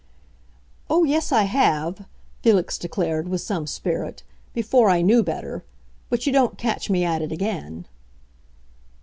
"Oh, yes, I have!" Felix declared, with some spirit; "before I knew better. But you don't catch me at it again."